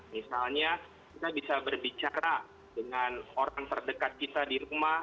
misalnya kita bisa berbicara dengan orang terdekat kita di rumah